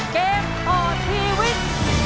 เกมพอร์ทวีค